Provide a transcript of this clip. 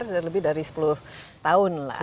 sudah lebih dari sepuluh tahun lah